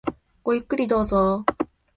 ごゆっくりどうぞ。